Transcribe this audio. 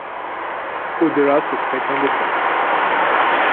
Au-delà, ce serait indécent.